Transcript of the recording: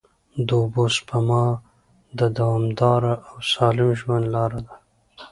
د اوبو سپما د دوامدار او سالم ژوند لاره ده.